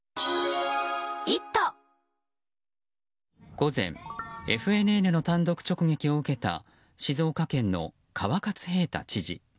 午前ＦＮＮの単独直撃を受けた静岡県の川勝平太知事。